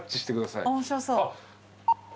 面白そう。